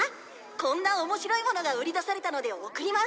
「こんな面白いものが売り出されたので送ります」